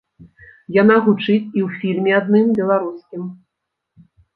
Яна гучыць і ў фільме адным беларускім.